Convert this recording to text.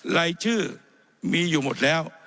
รายชื่อมีอยู่หมดแล้ว